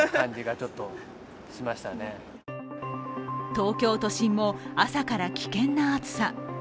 東京都心も朝から危険な暑さ。